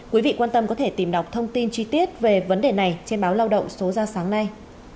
quý vị quan tâm có thể tìm đọc thông tin chi tiết về vấn đề này trên báo lao động số ra sáng nay